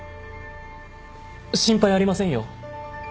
心配ありませんよ。